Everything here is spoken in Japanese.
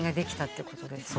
そうですね。